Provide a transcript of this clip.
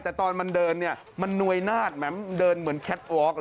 แต่ตอนมันเดินเนี่ยมันนวยนาดแหมเดินเหมือนแคทวอล์กเลย